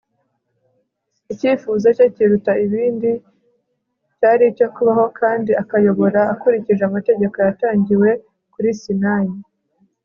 icyifuzo cye kiruta ibindi cyari icyo kubaho kandi akayobora akurikije amategeko yatangiwe kuri sinayi